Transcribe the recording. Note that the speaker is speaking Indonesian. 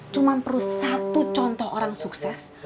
cuma perlu satu contoh orang sukses